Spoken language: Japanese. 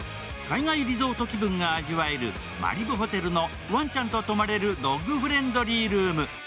海外リゾート気分が味わえるＭＡＬＩＢＵＨＯＴＥＬのワンちゃんと泊まれるドッグフレンドリールーム。